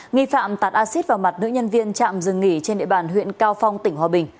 nghi phạm tạt acid vào mặt nữ nhân viên trạm rừng nghỉ trên địa bàn huyện cao phong tỉnh hòa bình